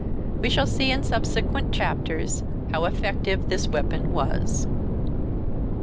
We shall see in subsequent chapters how effective this weapon was.